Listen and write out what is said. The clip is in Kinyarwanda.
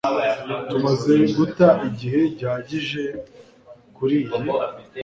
tumaze guta igihe gihagije kuriyi